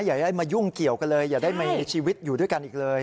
อย่าได้มายุ่งเกี่ยวกันเลยอย่าได้มีชีวิตอยู่ด้วยกันอีกเลย